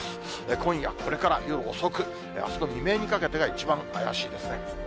今夜これから夜遅く、あすの未明にかけてが、一番怪しいですね。